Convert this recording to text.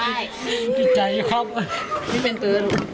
โอ้โหโอ้โหโอ้โห